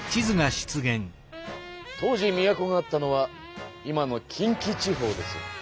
当時都があったのは今の近畿地方です。